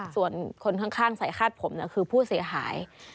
ส่วนคนข้างใส่คาดผมคือผู้เสียหาย